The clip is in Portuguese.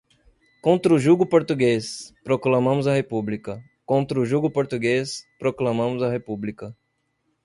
contra o jugo português, proclamamos a República, contra o jugo português, proclamamos a República